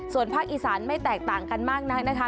ส่วนภาคอีสานไม่แตกต่างกันมากนักนะคะ